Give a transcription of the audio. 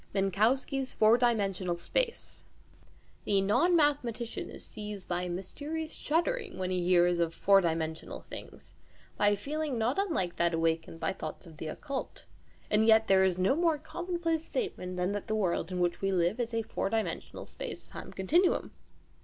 MINKOWSKI'S FOUR DIMENSIONAL SPACE The non mathematician is seized by a mysterious shuddering when he hears of "four dimensional" things, by a feeling not unlike that awakened by thoughts of the occult. And yet there is no more common place statement than that the world in which we live is a four dimensional space time continuum.